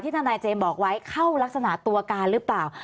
ทนายเจมส์บอกไว้เข้ารักษณะตัวการหรือเปล่า